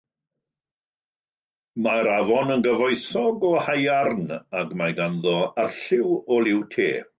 Mae'r afon yn gyfoethog o haearn ac mae ganddo arlliw o liw te.